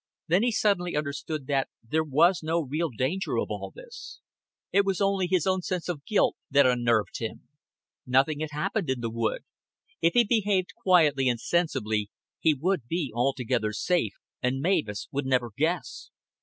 Then he suddenly understood that there was no real danger of all this. It was only his own sense of guilt that unnerved him. Nothing had happened in the wood. If he behaved quietly and sensibly, he would be altogether safe, and Mavis would never guess.